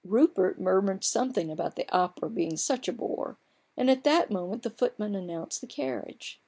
Rupert murmured something about the opera being such a bore, and at that moment the footman announced the carriage.